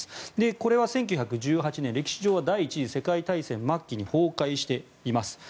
これは１９１８年歴史上は第１次世界大戦末期に崩壊しています。